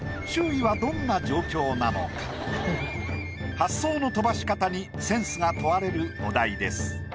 発想の飛ばし方にセンスが問われるお題です。